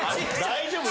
大丈夫？